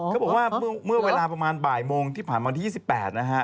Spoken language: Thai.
เขาบอกว่าเมื่อเวลาประมาณบ่ายโมงที่ผ่านมาวันที่๒๘นะฮะ